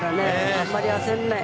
あんまり焦らない。